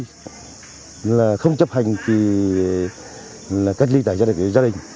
thứ hai là không chấp hành thì là cách ly tại gia đình